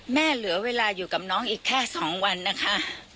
เหลือเวลาอยู่กับน้องอีกแค่๒วันนะคะ